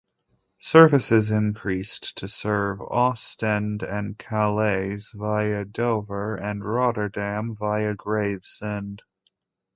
Services increased to serve Ostend and Calais via Dover and Rotterdam via Gravesend.